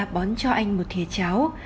bón cho anh một thịa cháo